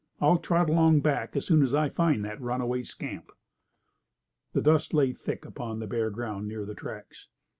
I'll trot along back as soon as I find that runaway scamp." The dust lay thick upon the bare ground near the tracks.